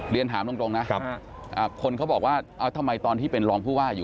เรียนถามตรงนะคนเขาบอกว่าทำไมตอนที่เป็นรองผู้ว่าอยู่